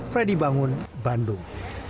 freddy bangun bandung